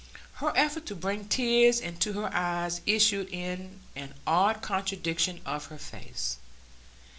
Her effort to bring tears into her eyes issued in an odd contraction of her face.